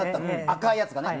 赤いやつが。